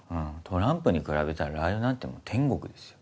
トランプに比べたらラー油なんて天国ですよ。